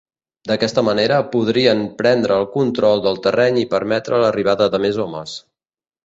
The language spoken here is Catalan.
D'aquesta manera podrien prendre el control del terreny i permetre l'arribada de més homes.